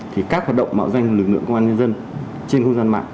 thì các hoạt động mạo danh của lực lượng công an nhân dân trên khuôn gian mạng